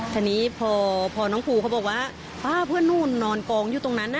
ทีนี้พอน้องภูเขาบอกว่าป้าเพื่อนนู่นนอนกองอยู่ตรงนั้น